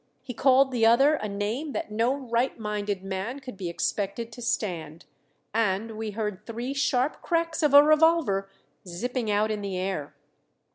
He called the other a name that no right minded man could be expected to stand, and we heard three sharp cracks of a revolver zipping out in the air.